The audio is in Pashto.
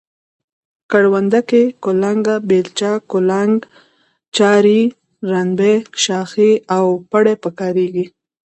کرونده کې کلنگه، بیلچه، کولنگ، چارۍ، رنبی، شاخۍ او پړی په کاریږي.